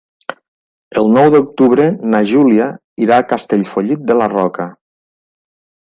El nou d'octubre na Júlia irà a Castellfollit de la Roca.